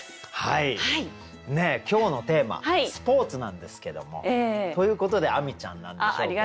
今日のテーマ「スポーツ」なんですけどもということで亜美ちゃんなんでしょうけれど。